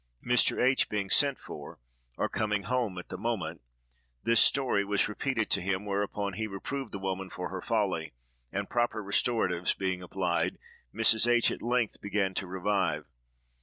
Mr. H—— being sent for, or coming home at the moment, this story was repeated to him, whereupon he reproved the woman for her folly; and, proper restoratives being applied, Mrs. H—— at length began to revive.